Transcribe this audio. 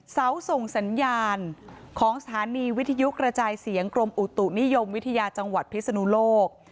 เสาส่งสัญญาณของสถานีวิทยุกระจายเสียงกรมอุตุนิยมวิทยาจังหวัดพิศนุโลก